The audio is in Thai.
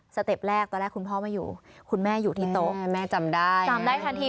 เต็ปแรกตอนแรกคุณพ่อไม่อยู่คุณแม่อยู่ที่โต๊ะแม่จำได้จำได้ทันที